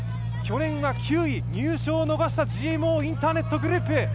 去年は９位、入賞をのがしたＧＭＯインターネットグループ。